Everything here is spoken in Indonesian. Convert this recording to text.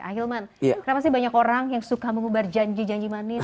ahilman kenapa sih banyak orang yang suka mengubar janji janji manis